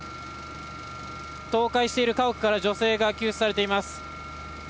倒壊している家屋から女性が救出されています。